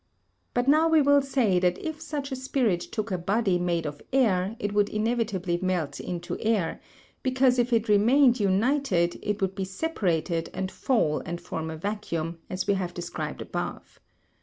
But now we will say that if such a spirit took a body made of air it would inevitably melt into air, because if it remained united it would be separated and fall and form a vacuum, as we have described above.